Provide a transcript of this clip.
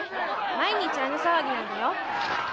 毎日あの騒ぎなんだよ。